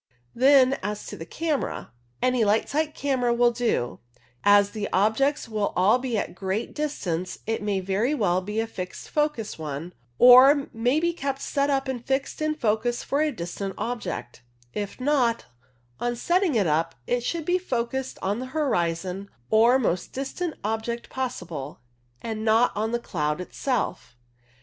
Then as to the camera. Any light tight camera Plate 6i. CLOUD CAMERA FOR STUDIES. Page 17 T CLOUD CAMERA 171 will do, and, as the objects will all be at a great distance, it may very well be a fixed focus one, or may be kept set up and fixed in focus for a distant object. If not, on setting it up it should be focussed on the horizon or most distant object possible, and not on the cloud itself.